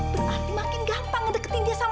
berarti makin gampang ngedeketin dia sama